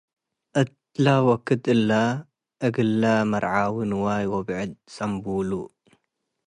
እትለ ወክድ እለ፣ እግለ By: ንዋይ ወብዕድ ጸናቡሉ ።